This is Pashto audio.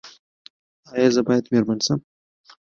ایا زه باید میرمن شم؟